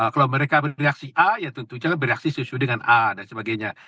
kalau mereka bereaksi a ya tentunya bereaksi sesuai dengan a dan sebagainya